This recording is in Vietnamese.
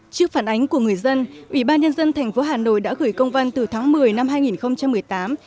trước phản ánh của người dân ủy ban nhân dân thành phố hà nội đã gửi công văn từ tháng một mươi năm hai nghìn một mươi tám